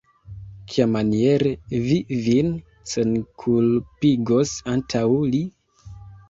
Kiamaniere vi vin senkulpigos antaŭ li?